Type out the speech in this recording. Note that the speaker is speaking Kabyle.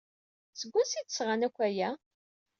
Seg wansi ay d-sɣant akk aya?